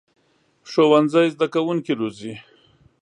ښوونځی زده کوونکي روزي